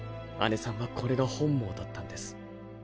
アネさんはこれが本望だったんです。